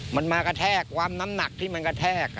มันมากระแทกความน้ำหนักที่มันกระแทก